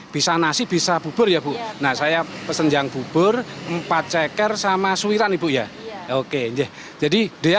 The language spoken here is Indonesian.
bisa nasi bisa bubur ya bu nah saya pesen yang bubur empat ceker sama suiran ibu ya oke jadi dia